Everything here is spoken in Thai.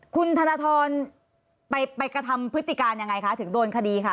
คุณธนทรไปกระทำพฤติการยังไงคะถึงโดนคดีค่ะ